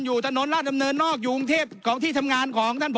อยู่ถนนราชดำเนินนอกอยู่กรุงเทพของที่ทำงานของท่าน